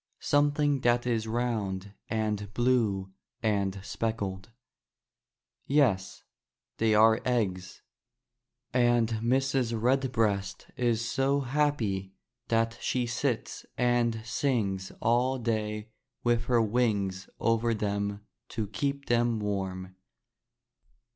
Something that is round and blue and speckled. Yes, they are eggs; and Mrs. Redbreast is so happy that she sits and sings all day with her wings over them to keep them warm.